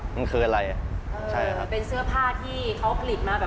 ไม่ได้พอ